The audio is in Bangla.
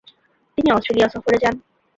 তিনি অস্ট্রেলিয়া সফরে যান।